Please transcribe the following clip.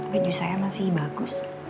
baju saya masih bagus